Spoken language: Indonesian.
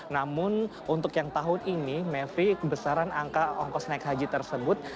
namun untuk yang tahun ini mevri kebesaran angka ongkos naik haji tersebut